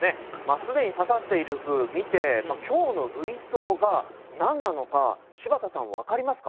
既にささっている句見て今日の類想が何なのか柴田さん分かりますか？